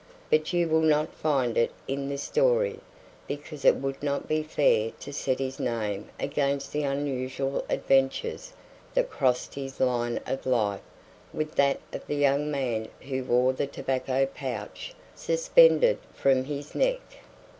But you will not find it in this story; because it would not be fair to set his name against the unusual adventures that crossed his line of life with that of the young man who wore the tobacco pouch suspended from his neck.